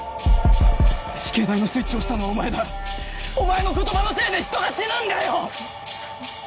死刑台のスイッチ押したのはお前だお前の言葉のせいで人が死ぬんだよ！